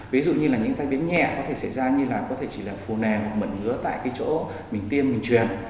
ví dụ như là những tai biến nhẹ có thể xảy ra như là có thể chỉ là phù nề mẩn ngứa tại cái chỗ mình tiêm mình truyền